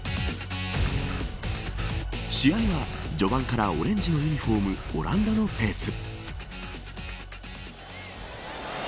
試合は序盤からオレンジのユニホームオランダのペース。